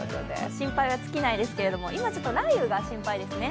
心配は尽きないですけど今は雷雨が心配ですね。